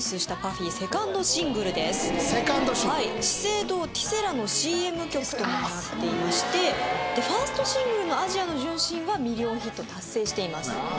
セカンドシングルはい資生堂ティセラのＣＭ曲ともなっていましてでファーストシングルの「アジアの純真」はミリオンヒット達成しています